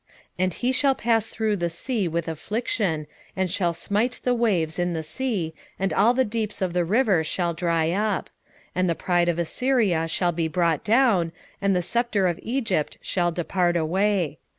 10:11 And he shall pass through the sea with affliction, and shall smite the waves in the sea, and all the deeps of the river shall dry up: and the pride of Assyria shall be brought down, and the sceptre of Egypt shall depart away.